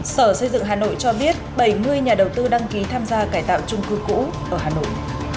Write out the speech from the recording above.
sở xây dựng hà nội cho biết bảy mươi nhà đầu tư đăng ký tham gia cải tạo trung cư cũ ở hà nội